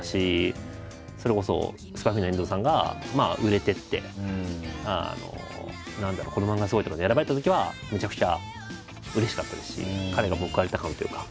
それこそ「ＳＰＹ×ＦＡＭＩＬＹ」の遠藤さんがまあ売れていって何だろう「このマンガがすごい！」とかに選ばれたときはめちゃくちゃうれしかったですし彼が報われた感というか。